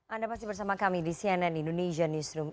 anda masih bersama kami di cnn indonesia newsroom